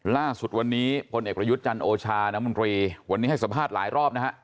ล่าสุดวันนี้พลเอกประยุทธ์จันโอชาน้ำมนตรีวันนี้ให้สัมภาษณ์หลายรอบนะฮะ